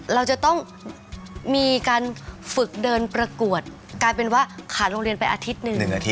เราจะต้องมีการฝึกเดินประกวดกลายเป็นว่าขาดโรงเรียนไปอาทิตย์หนึ่งอาทิต